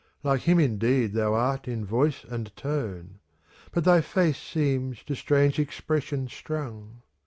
Like him indeed thou art in voice and tone, But thy face seems to strange expression strung.